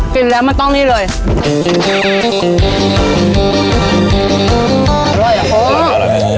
กินแล้วมันต้องนี่เลย